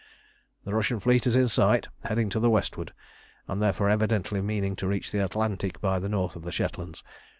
"The Russian fleet is in sight, heading to the westward, and therefore evidently meaning to reach the Atlantic by the north of the Shetlands.